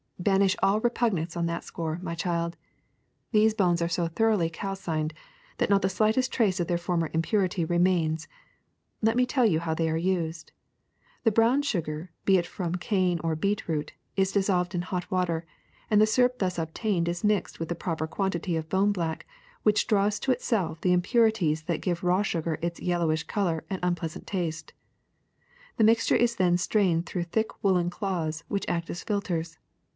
'''* Banish all repugnance on that score, my child. These bones are so thoroughly calcined that not the slightest trace of their former impurity remains. Let me tell you how they are used. The brown sugar, be it from cane or beet root, is dissolved in hot water and the syrup thus obtained mixed with the proper quantity of bone black, which draws to itself the im purities that give raw sugar its yellowish color and unpleasant taste. This mixture is strained through thick woolen cloths which act as filters.